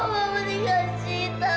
kenapa mama meninggal sita